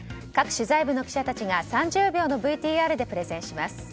各取材部の記者たちが３０秒のＶＴＲでプレゼンします。